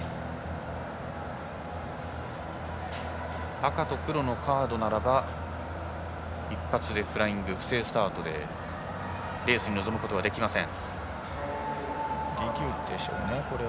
赤と黒のカードならば一発でフライング不正スタートでレースに臨むことはできません。